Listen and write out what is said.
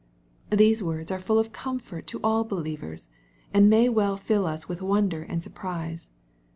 These words are full of comfort to all believers, and may well fill us with wonder and surprise.